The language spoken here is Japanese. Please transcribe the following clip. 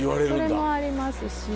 それもありますし。